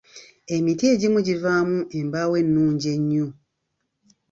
Emiti egimu givaamu embaawo ennungi ennyo.